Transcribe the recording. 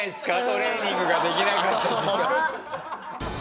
トレーニングができなかった時間。